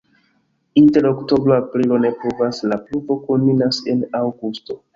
Inter oktobro-aprilo ne pluvas, la pluvo kulminas en aŭgusto.